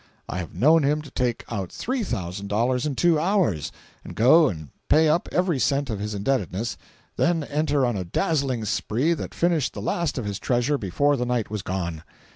I have known him to take out three thousand dollars in two hours, and go and pay up every cent of his indebtedness, then enter on a dazzling spree that finished the last of his treasure before the night was gone.